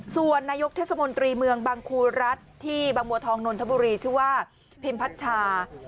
ส่วนนายกเทศมนตรีเมืองบังคูรัฐที่บางบัวทองนนทบุรีชื่อว่าพิมพัชชา